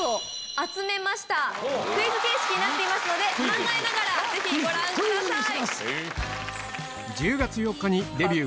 クイズ形式になっていますので考えながらご覧ください。